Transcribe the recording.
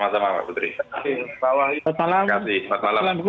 sama sama pak putri